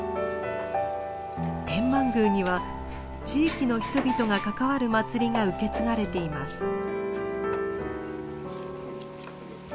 天満宮には地域の人々が関わる祭りが受け継がれています。